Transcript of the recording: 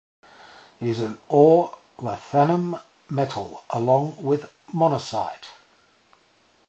It is an ore of lanthanum metal, along with monazite.